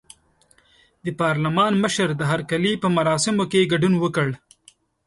د پارلمان مشر د هرکلي په مراسمو کې ګډون وکړ.